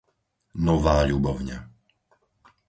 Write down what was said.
Nová Ľubovňa